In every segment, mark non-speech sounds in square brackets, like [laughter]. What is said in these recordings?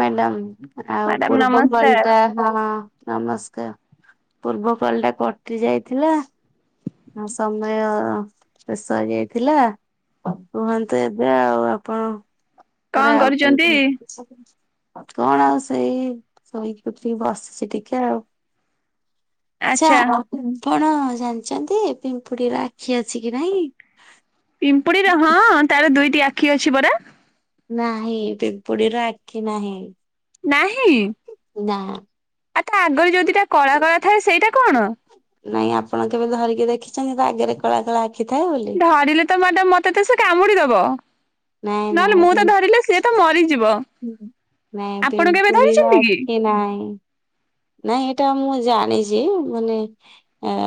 Madam ଆଉ madam ପୂର୍ବ କଲ ନମସ୍କାର ଟା ଆପଣ କଣ। ନମସ୍କାର ପୂର୍ବ କଲଟା କଟି ଯାଇଥିଲା। ହ ସମୟ ଶେଷ ହେଇଯାଇଥିଲା। କୁହନ୍ତୁ ଏବେ ଆଉ ଆପଣ କଣ ପୁରା ଆଉ କରୁଛନ୍ତି? କଣ [inaudible] କଣ ଆଉ ସେଇ ଶୋଇକିି ଉଠିକି ବସିଛି ଟିକେ ଆଉ। ସେ ଆଚ୍ଛା ଆପଣ ଜାଣିଛନ୍ତି ପିମ୍ପୁଡି ର ଆଖି ଅଛି କି ନାଇଁ। ପିମ୍ପୁଡିର ହଁ ତାର ଦୁଇଟି ଆଖି ଅଛି ପରା। ନାହିଁ ପିମ୍ପୁଡ଼ି ର ଆଖି ନାହିଁ। ନାହିଁ। ନା। ଆଉ ତା ଆଗରେ ଯୋଉ ଦି ଟା କଳା କଳା ଥାଏ ସେଇଟା କଣ? ନାଇଁ ଆପଣ କେବେ ଧରିକି ଦେଖିଛନ୍ତି ତା ଆଗରେ କଳା କଳା ଆ - ଧରିଲେ ତ ମାଡମ୍ ମତେ ତ ସେ କାମୁଡିଦବ। ନାଇଁ ନହେଲେ ମୁଁ ତ ଧରିଲେ ନାଇଁ ସିଏ ତ ମରିଯିବ। ହୁଁ। ନାଇଁ ଆପଣ କେବେ ପିମ୍ପୁଡି ର ଧରିଛନ୍ତି କି? ଆଖି ନହିଁ। ନାଇଁ ଏଇଟା ମୁଁ ଜାଣିଛି ମାନେ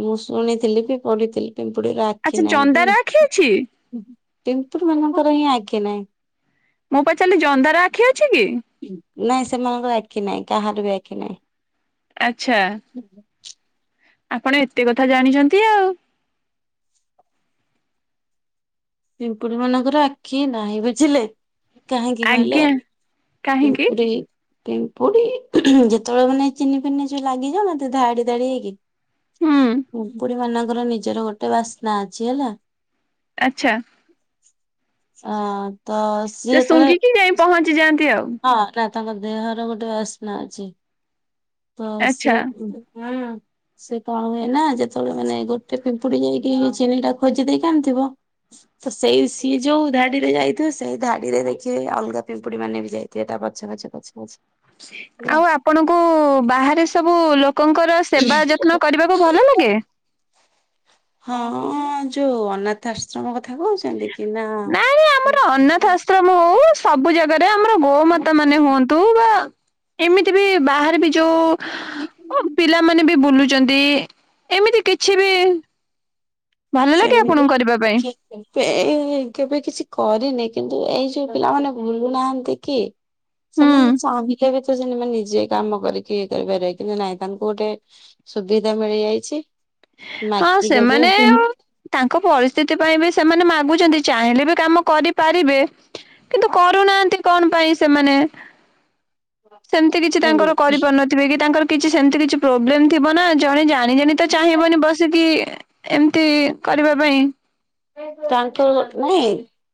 ମୁଁ ଶୁଣିଥିଲି ବି ପଢ଼ିଥିଲି। ପିମ୍ପୁଡି଼ ର ଆଖି ଆଚ୍ଛା ନାହିଁ ବି ଜନ୍ଦାର ଆଖି ଅଛି ପିମ୍ପୁଡ଼ି ମାନଙ୍କର ହିଁ ଆଖି ନାହିଁ। ମୁ ପଚାରିଲି ଜନ୍ଦାର ଆଖି ଅଛି କି? ନାଇଁ ସେମାନଙ୍କର ଆଖି ନାହିଁ କାହାର ବି ଆଖି ନାହିଁ। ଆଚ୍ଛା। ଆପଣ ଏତେ କଥା ଜାଣିଛନ୍ତି ଆଉ- ପିମ୍ପୁଡି଼ ମାନଙ୍କର ଆଖି ନାହିଁ ବୁଝିଲେ। କାହିଁକି କହିଲେ ଆଜ୍ଞା କାହିଁକି? [unintelligible] ପିମ୍ପୁଡି଼ ଯେତେବେଳେ ମାନେ ଚିନି ଫିନି ଯୋଉ ଲାଗିଗଲେ ଧାଡ଼ି ଧାଡ଼ି ହେଇକି ହୁଁ ପିମ୍ପୁଡ଼ି ମାନଙ୍କର ନିଜର ଗୋଟେ ବାସ୍ନା ଅଛି ହେଲା। ଆଚ୍ଛା। ଅ ତ ସେ ସିଏ ଯେତେବେଳେ ଶୁଙ୍ଘିକି ଯାଇ ପହଞ୍ଚି ଯାଆନ୍ତି ଆଉ ହଁ ନା ତାଙ୍କ ଦେହର ଗୋଟେ ବାସ୍ନା ଅଛି ତ ସେ ଆଚ୍ଛା। ହୁଁ ସେ କଣ ହୁଏ ନା ଯେତେବେଳେ ମାନେ ଗୋଟେ ପିମ୍ପୁଡ଼ି ଯାଇକି ଚିନି ଟା ଖୋଜି ଦେଇକି ଆଣିଥିବ। ତ ସେଇ ସିଏ ଯୋଉ ଧାଡ଼ିରେ ଯାଇଥିବ ସେଇ ଧାଡ଼ିରେ ଦେଖିେବେ ଅଲଗା ପିମ୍ପୁଡି ମାନେ [unintelligible] [unintelligible] ପଛେ ପଛେ ପଛେ ପଛେ। ହେଲା। ଆଉ ଆପଣଙ୍କୁ ବାହାରେ ସବୁ ଲୋ ଲୋକଙ୍କର ସେବା ଯତ୍ନ କରିବାକୁ ଭଲ ଲାଗେ। ହଁ ଯୋଉ ଅନାଥ ଆଶ୍ରମ କ କଥା କହୁଛନ୍ତି କି ନା ନାଇଁ ନାଇଁ ଘରେ ଆମର ଗୋମାତା ମାନେ ହୁଅନ୍ତୁ ବା ଏମିତି ବି ବାହାରେ ବି ଯୋଉ ଓ ପିଲାମାନେ ବି ବୁଲୁଛନ୍ତି ଏମିତି କିଛି ବି ଭଲ ଲାଗେ ଆପଣଙ୍କୁ କରିବା ପାଇଁ ସେମିତି [unintelligible] କେବେ କିଛି କରିନି କିନ୍ତୁ ଏଇ ଯୋଉ ପିଲାମାନେେ ଭୁଲୁ ନାହାନ୍ତି କି? ହୁଁ ସେମାନେ ଚାହିଁଲେ ବି ନିଜେ କାମ କରିକି ଇଏ କରିପାରିବେ କିନ୍ତୁ ନାଇଁ ତାଙ୍କୁ ଗୋଟେ ସୁବିଧା ମିଳିଯାଇଛି। ହଁ ମାଗିଦେବେ ସେମାନେ ତାଙ୍କ ପରିସ୍ଥିତି ପାଇଁ ବି ସେମାନେ ମାଗୁଛନ୍ତି ଚାହିଁଲେ ବି କାମ କରିପାରିବେ କିନ୍ତୁ କରୁନାହାନ୍ତି କଣ ପାଇଁ ସେମାନେ? ସେମତି କିଛି ତାଙ୍କର ଏମିତି କରିପାରୁନଥିବେ କି ତାଙ୍କର କିଛି ସେମିତି କିଛି ପ୍ରୋବ୍ଲେମ୍ ଥିବ ନା ଜଣେ ଜାଣି ଜାଣି ତ ଚାହିଁବନି ବସିକି ଏମିତି କରିବା ପାଇଁ। ତାଙ୍କର ନୁହେଁ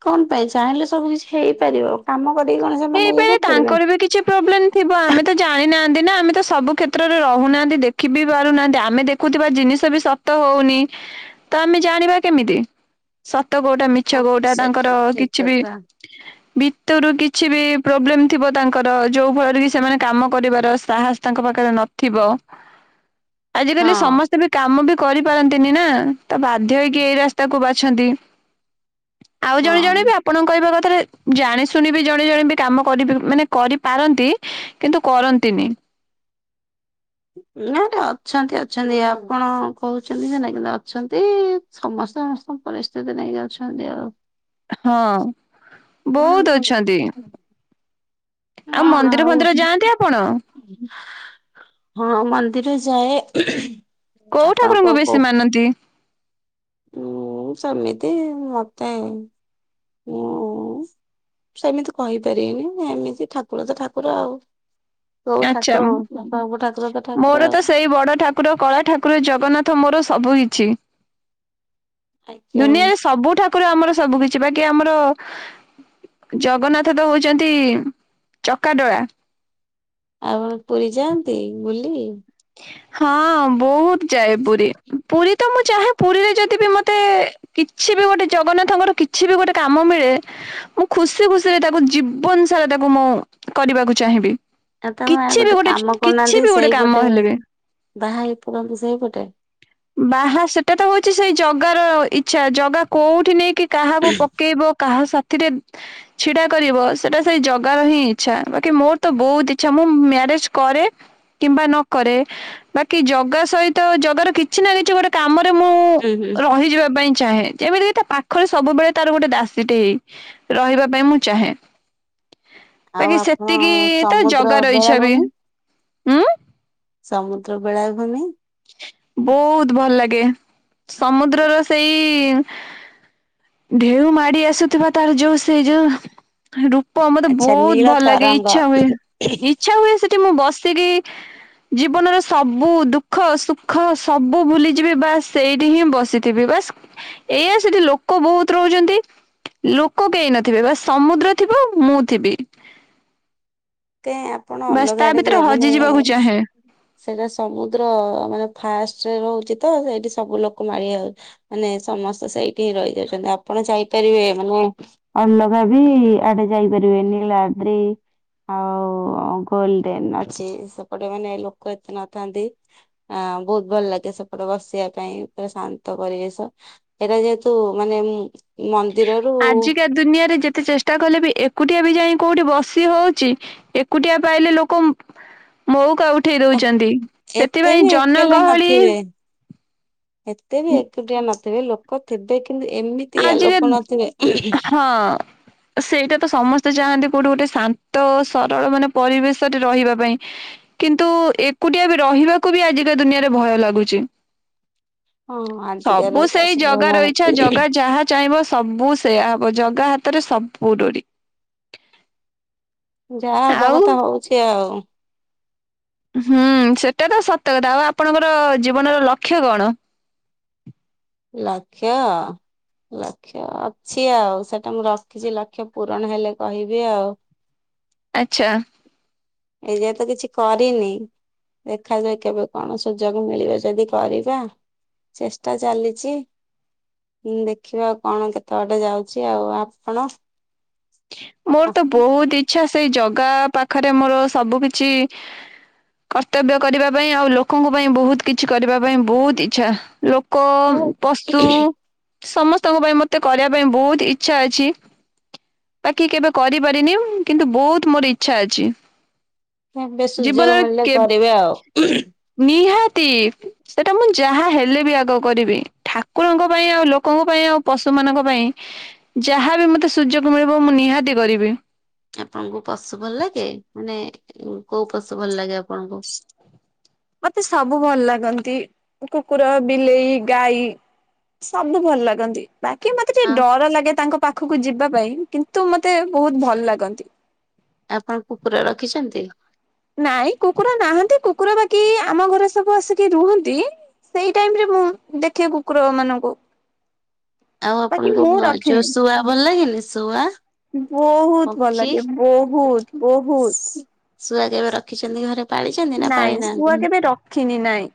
କଣ ପାଇଁ ଚାହିଁଲେ ସବୁ କିଛି ହେଇପାରିବ। କାମ କରିକି କଣ ସେମାନେ ଇଏ ହେଇପାରେ କରିପାରିବେ ତାଙ୍କର ବି କିଛି ପ୍ରୋବ୍ଲେମ୍ ଥିବ ଆମେ ତ ଜାଣି ନାହାନ୍ତି। ଆମେ ତ ସବୁ କ୍ଷେତ୍ରରେ ରହୁନାହାନ୍ତି ଦେଖି ବି ପାରୁନାହାନ୍ତି ଆମେ ଦେଖୁଥିବା ଜିନିଷ ବି ସତ ହଉନି। ତ ଆମେ ଜାଣିବା କେମିତି? ତ କୋଉଟା ମିଛ ହଁ କୋଉଟା ସେଇଟା ତାଙ୍କର ବି ଠିକ କିଛି ବି କଥା ଭିତରୁ କି କିଛି ବି ପ୍ରୋବ୍ଲେମ୍ ଥିବ ତାଙ୍କର ଯୋଉ ଫଳରେ କି ସେମାନେ କାମ କରିବାର ସାହସ ତାଙ୍କ ପାଖରେ ନଥିବ। ଆଜିକାଲି ହଁ ସମସ୍ତେ ବି କାମ ବି କରିପାରନ୍ତିନି ନା ତ ବାଧ୍ୟ ହେଇକି ଏଇ ରାସ୍ତାକୁ ବାଛନ୍ତି। ଆଉ ଜଣେ ଜଣେ ହଁ ବି ଆପଣଙ୍କ କହିବା କଥାରେ ଜାଣି ଶୁଣି ବି ଜଣେ ଜଣେ ବି କାମ କରି ମାନେ କରିପାରନ୍ତି କିନ୍ତୁ କରନ୍ତିନି। ନା ନା ଅଛନ୍ତି ଅଛନ୍ତି ଆପଣ କହୁଛନ୍ତି ନା ନାଇଁ ଅଛନ୍ତି ସମସ୍ତେ ସମସ୍ତ ପରିସ୍ଥିତି ନେଇ ଯାଉଛନ୍ତି ଆଉ ହଁ ବହୁତ୍ ହଁ ଅଛନ୍ତି। ଆଉ ମନ୍ଦିର ଫନ୍ଦିର ଯାଆନ୍ତି ଆପଣ? ହଁ ମନ୍ଦିର ଯାଏ। କୋଉ ଆପଣ ଠାକୁରଙ୍କୁ କୋଉ ବେଶୀ କୋଉ ମାନନ୍ତି? ହୁଁ ସେମିତି ମତେ ମୁଁ ସେମିତି କହିପାରିନି ଏମିତି ଠାକୁର ତ ଠାକୁର ଆଉ। କୋଉ ଆଚ୍ଛା ଠାକୁର ହୁଅୁ ଆପଣ ଗୋଟେ ମୋର ତ ସେଇ ବଡ ଠାକୁର କଳା ଠାକୁର ଜଗନ୍ନାଥ ମୋର ସବୁ କିଛି ଆଜ୍ଞା। ଦୁନିଆରେ ସବୁ ଠାକୁର ଆମର ସବୁ କିଛି ବାକି ଆମର ଜଗନ୍ନାଥ ତ ହଉଛନ୍ତି ଚକାଡୋଳା। ଆଉ ପୁରୀ ଯାଆନ୍ତି ବୁଲି? ହଁ ବହୁତ ଯାଏ ପୁରୀ। ପୁରୀ ତ ମୁଁ ଚାହେ ପୁରୀରେ ଯଦି ବି ମତେ କିଛି ବି ଗୋଟେ ଜଗନ୍ନାଥଙ୍କର କିଛି ବି ଗୋଟେ କାମ ମିଳେ ମୁଁ ଖୁସି ଖୁସିରେ ତାକୁ ଜୀବନ ସାରା ତାକୁ ମୁଁ କରିବାକୁ ଚାହିଁବି। ଆଉ ତମେ ଆଉ କିଛି ବି ଗୋଟେ କାମ କିଛି କରୁନାହାନ୍ତି ବି ଗୋଟେ ସେଇପଟେ କାମ ହେଲେ ବି ବାହା ହେଇ ପକାନ୍ତୁ ସେଇପଟେ। ବାହା ସେଟା ତ ହଉଛି ସେଇ ଜଗାର ଇଚ୍ଛା ଜଗା କୋଉଠି ନେଇକି କାହାକୁ ପକେଇବ କାହା ସା ରେ ଛିଡା କରିବ ସେଇଟା ସେଇ ଜଗାର ହିଁ ଇଚ୍ଛା ବାକି ମୋର ତ ବହୁତ ଇଚ୍ଛା ମୁଁ କରେ କିମ୍ବା ନ କରେ ବାକି ଜଗା ସହିତ ଜଗ ର କିଛି କିଛି ନା କିଛି ଗୋଟେ କାମରେ ମୁଁ ହୁଁ ହୁଁ। ରହିଯିବା ପାଇଁ ଚାହେଁ ଯେମିତିକି ତା ପାଖରେ ସବୁବେଳେ ତାର ଗୋଟେ ଦାସୀଟେ ହେଇ ରହିବା ପାଇଁ ମୁଁ ଚାହେଁ ଆଉ ବାକି ଆପଣ ସେତିକି ତ ସମୁଦ୍ର ଜଗା ରହିଛ ବି ବେଳାଭୂମି ଉଁ ସମୁଦ୍ର ବେଳାଭୂମି? ବହୁତ ଭଲ ଲାଗେ ସମୁଦ୍ରର ସେଇ ଢେଉ ମାଡି ଆସୁଥିବା ତାର ଯୋଉ ସେଇ ଯୋଉ ର ମତେ ଆଚ୍ଛା ବହୁତ ନୀଳ ଭଲ ଲାଗେ ତରଙ୍ଗ ଇଚ୍ଛା ହୁଏ ଇଚ୍ଛା ହୁଏ ସେ ମୁଁ ବସିକି ଜୀବନର ସବୁ ଦୁଃଖ ଦଃଖ ସୁଖ ସବୁ ଭୁଲିଯିବି ବାସ୍ ସେଇଠି ହିଁ ବସିଥିବି ବାସ୍ ଏଇଆ ସେଠି ଲ ଲୋକ ବହୁତ ରହୁଛନ୍ତି ଲୋକ କେହି ନଥିବେ ବା ସମୁଦ୍ର ଥିବ ମୁଁ ଥିବି [unintelligible] ତ ଆପଣ ବାସ୍ ତା ଅଲଗାଡ ଭିତରେ ବି ମାନେ ହଜି ଯିବାକୁ ଚାହେଁ। ସେଇଟା ସମୁଦ୍ର ମାନେ ଫାଷ୍ଟରେ ରହୁଛି ତ ସେଇଠି ସବୁ ଲୋକ ମାଳିଆଉ ମାନେ ସମସ୍ତେ ସେଇଠି ହିଁ ରହିଯାଉଛନ୍ତି ଆପଣ ଯାଇପାରିବେ ମାନେ ଅଲଗା ବି ଆଡେ ଯାଇପାରିବେ ଭେନିଲାି ଆଉ ଗୋଲଡେନ ଅଛି ସେପଟେ ମାନେ ଲୋକ ଏତେ ନଥାନ୍ତି ଆ ବହୁତ ଭଲ ଲାଗେ ସେପଟ ବସିବା ପାଇଁ ପା ଶାନ୍ତ ପରିବେଶ ଏଇଟା ଯେହେତୁ ମାନେ ମନ୍ଦିରରୁ ଆଜିକା ଦୁନିଆରେ ଯେତେ ଚେଷ୍ଟା କଲେ ବି ଏକୁଟିଆ ବି ଯାଇ କୋଉଠି ବସି ହଉଛି ଏକୁଟିଆ ପାଇଲେ ଲୋକ ମଉକାଉଠି ଉଠେଇ ଦଉଛନ୍ତି ଏତେ ସେଥିପାଇଁ ବି ଜନ ଏକେଲା ଗହଳି ନଥିବେ ଏତେ ବି ଏଟିଆ ନଥିବେ ଲୋକ ଥିବେ କିନ୍ତୁ ଏମିତିଆ ଲୋକ ନଥିବେ ଆଜିିକା ହଁ ସେଇଟା ତ ସମସ୍ତେ ଚାହାନ୍ତି କୋଉଠି ଗୋଟେ ଶାନ୍ତ ସରଳ ମାନେ ପରିବେଶରେ ରହିବା ପାଇଁ କିନ୍ତୁ ଏକୁଟିଆ ବି ରହିବାକୁ ବି ଆଜିକା ଦୁନିଆରେ ଭୟ ଲାଗୁଛି। ହଁ ଆଜିକାର ସବୁ ସେଇ ଚାଷକୁ ଜଗା ରଇଛା ହେଲାଣି ଜଗା ଯାହା ଚାହିଁବ ସବୁ ସେୟାବ ଜଗା ହାତରେ ସବୁଡୋରି। ଯାହା ହବା କଥା ହଉଛି ଆଉ। ହୁଁ ସେଟା ତ ସତ କଥା ଆଉ ଆପଣଙ୍କର ଜୀବନର ଲକ୍ଷ୍ୟ କଣ? [unintelligible] ଲକ୍ଷ ଲକ୍ଷ ଅଛି ଆଉ ସେଟା ମୁଁ ରଖିଛି ଲକ୍ଷ ପୂରଣ ହେଲେ କହିବି ଆଉ। ଆଚ୍ଛା। ଏଇଯ ତ କିଛି କରିନି ଦେଖାଯଏ କେବେ କଣ ସୁଯୋଗ ମିଳିବ ଯଦି କରିବା ଚେଷ୍ଟା ଚାଲି ଚି ଦେଖିବା ଆଉ କଣ କେତେ ବାଟେ ଯାଉଛି ଆଉ ଆପଣ? ମୋର ତ ବହୁତ ଇଚଛା ସେଇ ଜଗା ପାଖରେ ମୋର ସବୁ କିଛି କର୍ତ୍ତବ୍ୟ କରିବା ପାଇଁ ଆଉ ଲୋକଙ୍କ ପାଇଁ ବହୁତ କିଛି କରିବା ପାଇଁ ବହୁତ ଇଚଛା। କ ପଶୁ ସମସ୍ତଙ୍କ ପାଇଁ ମତେ କରିବା ପାଇଁ ବହୁତ ଇଚଛା ଅଛି। ବାକି କେବେ କରିପାରିନି କିନ୍ତୁ ବହୁତ ମୋର ଇଚ୍ଛା ଅଛି। କେବେ ସୁଯୋଗ ଜୀବନରେ ମିଳିଲେ କେବ୍ କରିବେ ଆଉ। ନିହାତି ସେଟା ମୁଁ ଯାହା ହେଲେ ବି ଆଗ କରିବି ଠାକୁରଙ୍କ ପାଇଁ ଆଉ ଲୋକଙ୍କ ପାଇଁ ଆଉ ପଶୁମାନଙ୍କ ପାଇଁ ଯାହା ବି ମୋତେ ସୁଯୋଗ ମିଳିବ ମୁଁ ନିହାତି କରିବି। ଆପଣଙ୍କୁ ପଶୁ ଭଲ ଲାଗେ ମାନେ କଉ ପଶୁ ଭଲ ଲାଗେ ଆପଣଙ୍କୁ? ମତେ ସବୁ ଭଲ ଲାଗେ। ଗନ୍ତି କୁକୁର ବିଲେଇ ଗାଈ ସବୁ ଭଲ ଲାଗନ୍ତି। ବାକି ମତେ ଆଉ ଟିକେ ଡର ଲାଗେ ତାଙ୍କ ପାଖକୁ କୁ ଯିବା ପାଇଁ କିନ୍ତୁ ମତେ ବହୁତ ଭଲ ଲାଗନ୍ତି। ଆପଣ କୁକୁର ରଖିଛନ୍ତି? ନାଇଁ କୁକୁର ନାହାଁନ୍ତି କୁକୁର ବାକି ଆମ ଘରେ ସବୁ ଆସିକି ରୁହନ୍ତି। ସେଇ ଟାଇମ ରେ ମୁଁ ଦେଖେ କୁକୁର ମାନଙ୍କୁ। ଆଉ ବାକି ଆପଣଙ୍କୁ ମୁଁ କଁ ଯଉ ଶୁଆ ଭଲ ଲାଗେନି ଶୁଆ? ବହୁତ୍ ଭଲ ପକ୍ଷୀ? ଲାଗେ ବହୁତ୍ ବହୁତ୍। ଶୁଆ କେବେ ରଖିଛନ୍ତି ଘରେ ପାଳିଛନ୍ତି ନା ପାଳି ନାଇଁ ଶୁଆ ନାହାନ୍ତି। କେବେ ରଖିନି ନାଇଁ।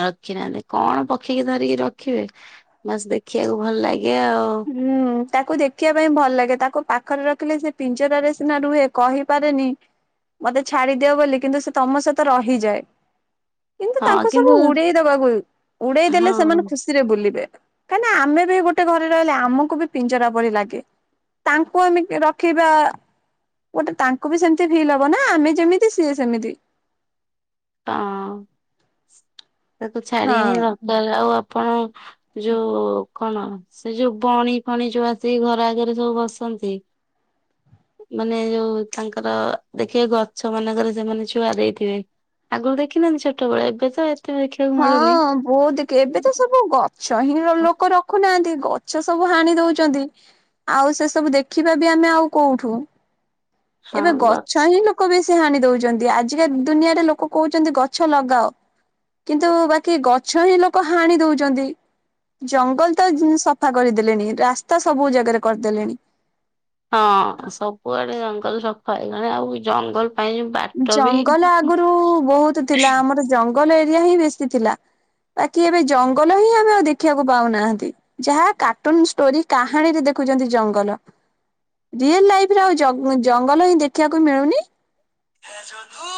ରଖି ନାହାନ୍ତି କଣ ପକ୍ଷୀକି ଧରିକି ରଖିବେ ବାସ୍ ଦେଖିବାକୁ ଭଲ୍ ଲାଗେ। ଆଉ। ହୁଁ ତାକୁ ଦେଖିଆ ପାଇଁ ଭଲ ଲାଗେ ତାକୁ ପାକ୍ ପାଖରେ ରଖିଲେ ସେ ପିଞ୍ଚରାରେ ସିନା ରୁହେ କହିପାରେନି। ମତେ ଛାଡିଦିଅ ବୋଲି କିନ୍ତୁ ସେ ତମ ସହିତ ରହିଯାଏ। କିନ୍ତୁ ହଁ ତାଙ୍କୁ ସବୁ କିନ୍ତୁ ଉଡେଇ ଦବାକୁ ଉଡେଇ ଦେଲେ ହଁ ସେମାନେ ହଁ ଖୁସିରେ ବୁଲିବେ। କାଇଁନା ଆମେ ବି ଗୋଟେ ଘରେ ରେ ରହିଲେ ଆମକୁ ବି ପିଞ୍ଜରା ପରି ଲାଗେ ତାଙ୍କୁ ଆମେ ରଖିବା ଗୋଟେ ତାଙ୍କୁ ବି ସେମତି ଫିଲ୍ ହବ ନା ଆମେ ଯେମିତି ସିଏ ସେମିତି। ହଁ ତାକୁ ଛାଡିବା ହଁ ହିଁ [unintelligible] ଆଉ ଆପଣ ଯଉ କଣ ସେ ଯଉ ବଣି ଫଣି ଯଉ ଆସି ଘର ଆଗରେ ସବୁ ବସନ୍ତି। [inaudible] ମାନେ ଯଉ ତାଙ୍କର ଦେଖିବେ ଗଛ ମାନଙ୍କରେ ସେମାନେ ଛୁଆ ଦେଇଥିବେ। ଆଗରୁ ଦେଖିନାହାନ୍ତି ଛୋଟବେଳେ ଏବେ ତ ଏ ହଁ ବହୁତ ଦେଖେ ଏବେ ତ ସବୁ ଗଛ ହିଁ ଲୋକ ରଖୁନାହାନ୍ତି ଗ ମିଛ ସବୁ ହାଣି ଦଉଛନ୍ତି ଆଉ ସେ ସବୁ ଦେଖିବା ବି ଆମେ ଆଉ କୋଉଠୁ। ଏବେ ଗଛ ହିଁ ଲୋକ ବେଶୀ ସେ ହାଣି ଦଉଛନ୍ତି ଆଜିକା ଦୁନିଆରେ ଲୋକ କହୁଛନ୍ତି ଗଛ ଲଗାଅ। କିନ୍ତୁ ବାକି ଗଛ ହିଁ ଲୋକ ହାଣି ଦଉଛନ୍ତି। ଜଙ୍ଗଲ ତ ସଫା କରିଦେଲେଣି ରାସ୍ତା ସବୁ ଜାଗାରେ କରିଦେଲେଣି। ହଁ ସବୁଆଡେ ଜଙ୍ଗଲ ସଫା ହେଇଗଲେଣି ଆଉ ଜଙ୍ଗଲ ପାଇଁ ବାଟ ବି ଜଙ୍ଗଲ ଆଗରୁ ବହୁତ ଥିଲା ଆମର ଜଙ୍ଗଲ ଏରିଆ ହିଁ ବେଶୀ ଥିଲା। ବାକି ଏବେ ଜଙ୍ଗଲ ହିଁ ଆମେ ଆଉ ଦେଖିଆକୁ ପାଉନାହାନ୍ତି ଯାହା କାଟୁନ୍ ଷ୍ଟୋରି କାହାଣୀରେ ଦେଖ ଦେଖୁଚନ୍ତି ଜଙ୍ଗଲ ରିଏଲ୍ ଲାଇଫ୍ ରେ ଆଉ ଜଗ୍ ଜଙ୍ଗଲ ହିଁ ଦେଖିଆକୁ ମିଳୁନି। ହେ ଯୋ ତୁ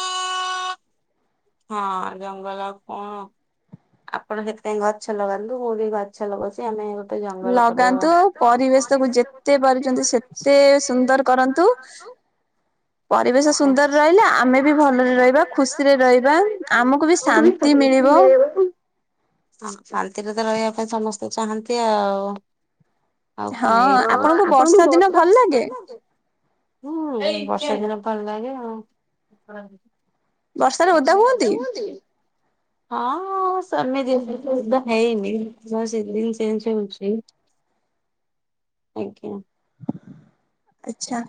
ହଁ ଜଙ୍ଗଲ ଆଉ କଣ। ଆପଣ ସେଥିପାଇଁ ଗଛ ଲଗାନ୍ତୁ ମୁଁ ବି ଗଛ ଲଗଉଛି ଆମେ ଗୋଟେ ଜଙ୍ଗଲ କରିଦବା। ଲଗାନ୍ତୁ ପରିବେଶ କୁ ଯେତେ ପାରୁଛନ୍ତି ସେତେ ସୁନ୍ଦର କରନ୍ତୁ। ପରିବେଶ ହଁ ସୁନ୍ଦର ରହିଲେ ଆମେ ବି ଭଲରେ ରହିବା ଖୁସିରେ ରହିବା। ଥିବା ଆମକୁ ବି ଶାନ୍ତି ମିଳିବ। ଶାନ୍ତିରେ ତ ରହିବା ପାଇଁ ସମସ୍ତେ ଚାହାନ୍ତି ଆଉ। ଆଉ କଣ ଏଇତ ହଁ ଆପଣଙ୍କୁ ବର୍ଷା ହଉଥିଲା ଛାଡ଼ିଲାଣି? [unintelligible] ବର୍ଷାରେ ଓଦା ହୁଅନ୍ତି? [inaudible] ହଁ ସେମିତି ଓଦା ହେଇନି ସିଜିନ୍ ଚେଞ୍ଜ୍ ହଉଛି [inaudible] ଆଜ୍ଞା। ଆଚ୍ଛା।